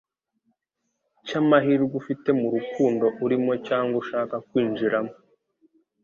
cy'amahirwe ufite mu rukundo urimo cyangwa ushaka kwinjiramo